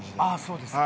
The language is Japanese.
そうですか。